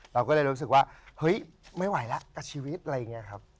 เราก็เลยรู้สึกว่าเฮ้ยไม่ไหวแล้วกับชีวิตอะไรอย่างนี้ครับ